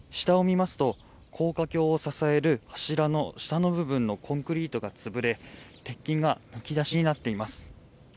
下を見ますと高架橋を支える柱の下の部分のコンクリートが潰れ鉄筋がむき出しになっています。